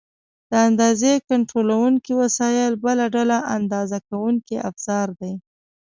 د اندازې کنټرولونکي وسایل بله ډله اندازه کوونکي افزار دي.